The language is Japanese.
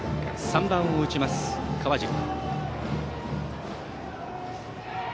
３番を打ちます、川尻。